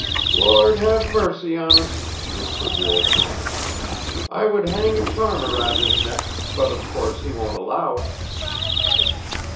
"Lord have mercy on us!" whispered the old woman. "I would hang a charm round his neck, but of course he won't allow it."